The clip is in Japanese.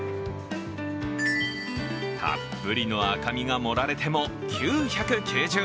たっぷりの赤身が盛られても９９０円。